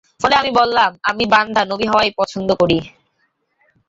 ফলে আমি বললামঃ আমি বান্দা নবী হওয়াই পছন্দ করি।